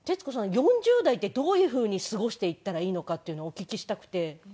４０代ってどういうふうに過ごしていったらいいのかっていうのをお聞きしたくて。